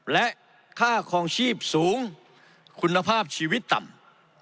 และค่าคลองชีพสูงคุณภาพชีวิตต่ำ